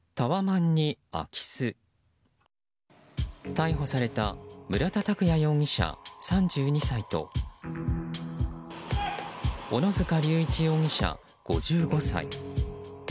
逮捕された村田拓也容疑者、３２歳と小野塚隆一容疑者、５５歳。